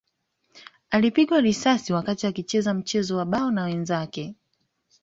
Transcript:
Alipigwa risasi wakati akicheza mchezo wa bao na wenzake